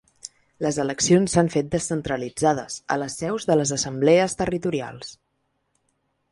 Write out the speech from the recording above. Les eleccions s’han fet descentralitzades, a les seus de les assemblees territorials.